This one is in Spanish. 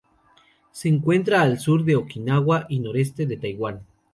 Se encuentra al sur de Okinawa y noreste de Taiwán.